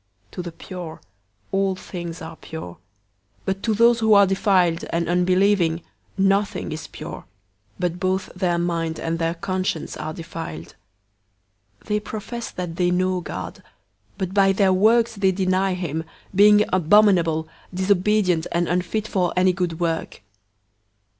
001:015 To the pure, all things are pure; but to those who are defiled and unbelieving, nothing is pure; but both their mind and their conscience are defiled. 001:016 They profess that they know God, but by their works they deny him, being abominable, disobedient, and unfit for any good work.